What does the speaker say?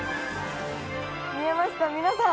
見えました皆さん